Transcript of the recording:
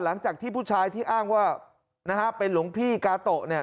หลังจากที่ผู้ชายที่อ้างว่านะฮะเป็นหลวงพี่กาโตะเนี่ย